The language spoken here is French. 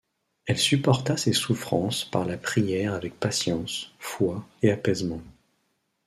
Elle supporta ses souffrances par la prière avec patience, foi et apaisement.